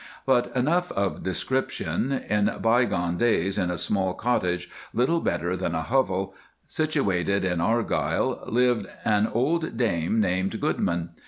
But enough of description. In bygone days, in a small cottage, little better than a hovel, situated in Argyle, lived an old dame named Goodman.